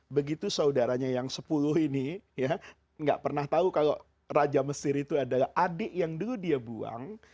begitu saudaranya yang sepuluh ini ya nggak pernah tahu kalau raja mesir itu adalah adik yang dulu dia buang